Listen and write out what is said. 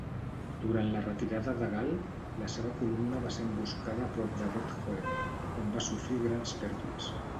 Durant la retirada de Gal, la seva columna va ser emboscada prop de Beth Horon, on va sofrir grans pèrdues.